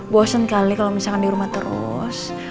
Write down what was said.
bosen kali kalau misalkan di rumah terus